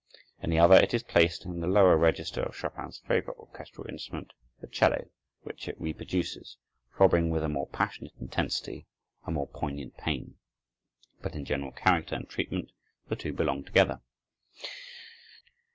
In the other, it is placed in the lower register of Chopin's favorite orchestral instrument, the 'cello, which it reproduces, throbbing with a more passionate intensity, a more poignant pain. But in general character and treatment the two belong together.